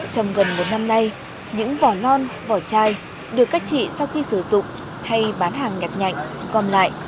trong gần một năm nay những vỏ non vỏ chai được các chị sau khi sử dụng hay bán hàng nhặt nhạnh gom lại